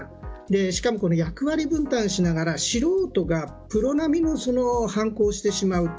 しかも、役割分担しながら素人がプロ並みの犯行をしてしまうと。